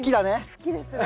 好きですね。